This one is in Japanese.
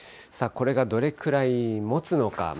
これがどれくらいもつのか。